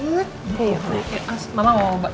mas mama mau bantu